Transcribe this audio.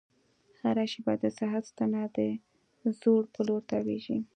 هره شېبه د ساعت ستنه د ځوړ په لور تاوېږي.